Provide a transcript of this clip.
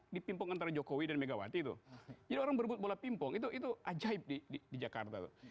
di pimpong antara jokowi dan megawati itu orang berbuat bola pimpong itu itu ajaib di jakarta